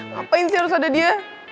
ngapain sih harus ada dia